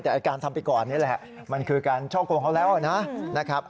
แต่การทำไปก่อนนี่แหละมันคือการช่อโกงเขาแล้วนะครับ